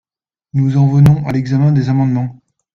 Nous en venons à l’examen des amendements.